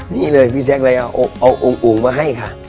นี่เลยพี่แซคเลยเอาอุ๋งมาให้ค่ะ